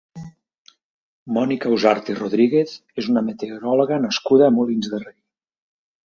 Mònica Usart i Rodríguez és una meteoròloga nascuda a Molins de Rei.